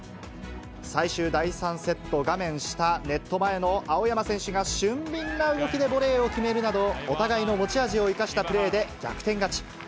最終第３セット、画面下、ネット前の青山選手が俊敏な動きでボレーを決めるなど、お互いの持ち味を生かしたプレーで逆転勝ち。